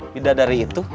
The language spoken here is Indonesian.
beda dari itu